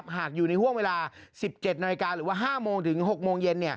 หากอยู่ในห่วงเวลา๑๗นหรือว่า๕๖โมงเย็น